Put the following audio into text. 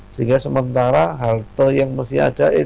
sehingga sementara halte yang mesti ada